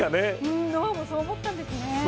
ノアもそう思ったんですね。